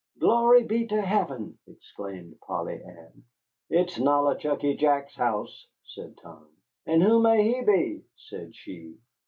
"Glory be to heaven!" exclaimed Polly Ann. "It's Nollichucky Jack's house," said Tom. "And who may he be?" said she.